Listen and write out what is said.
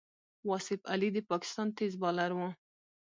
واصف علي د پاکستان تېز بالر وو.